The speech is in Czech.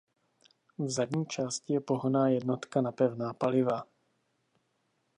V zadní části je pohonná jednotka na pevná paliva.